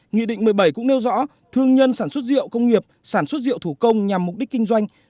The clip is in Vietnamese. nghị định một mươi bảy cũng nêu rõ thương nhân sản xuất rượu công nghiệp sản xuất rượu thủ công nhằm mục đích kinh doanh